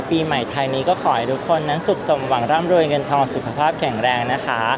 ปีใหม่ไทยนี้ก็ขอให้ทุกคนนั้นสุขสมหวังร่ำรวยเงินทองสุขภาพแข็งแรงนะคะ